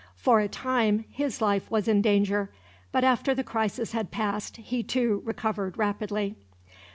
For a time his life was in danger; but after the crisis had passed, he too recovered rapidly.